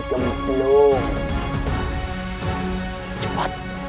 apa yangng dan kerdasnya